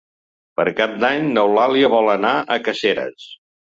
Per Cap d'Any n'Eulàlia vol anar a Caseres.